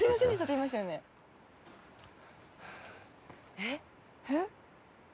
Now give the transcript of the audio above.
えっ？えっ？